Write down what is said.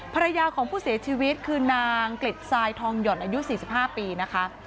ภรรยาของผู้เสียชีวิตคือนางกลิดทรายทองหย่อนอายุ๔๕ปีนะคะ